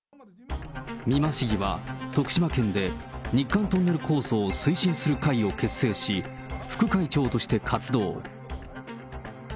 美馬市議は徳島県で日韓トンネル構想を推進する会を結成し、副会長として活動。